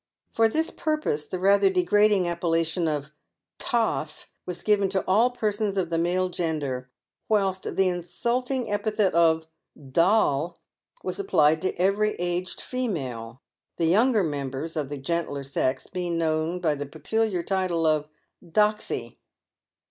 Por this pur pose the rather degrading appellation of " toff" was given to all persons of the male gender, whilst the insulting epithet of " doll" was applied to every aged female, the younger members of the gentler sex being known by the peculiar title of " doxy."